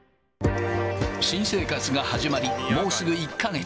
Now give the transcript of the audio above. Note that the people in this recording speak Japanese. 新生活が始まり、もうすぐ１か月。